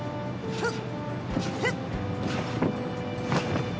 ふっ！